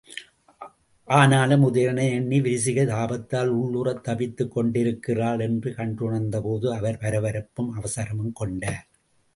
ஆனாலும் உதயணனை எண்ணி விரிசிகை தாபத்தால் உள்ளுறத் தவித்துக் கொண்டிருக்கின்றாள் என்று கண்டுணர்ந்தபோது அவர் பரபரப்பும் அவசரமும் கொண்டார்.